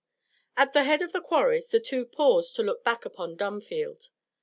At the head of the quarries the two paused to look back upon Dunfield.